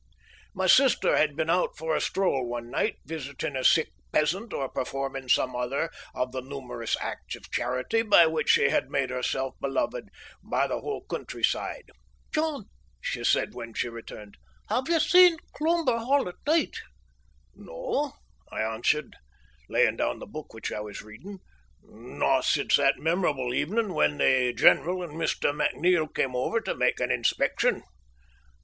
My sister had been out for a stroll one night, visiting a sick peasant or performing some other of the numerous acts of charity by which she had made herself beloved by the whole countryside. "John," she said when she returned, "have you seen Cloomber Hall at night?" "No," I answered, laying down the book which I was reading. "Not since that memorable evening when the general and Mr. McNeil came over to make an inspection."